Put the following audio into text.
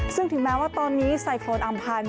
ซึ่งถึงแม้ว่าตอนนี้ไซโครนอำพันธ์